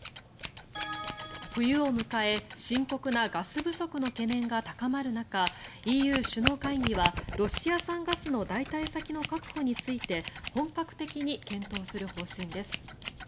冬を迎え深刻なガス不足の懸念が高まる中ＥＵ首脳会議はロシア産ガスの代替先の確保について本格的に検討する方針です。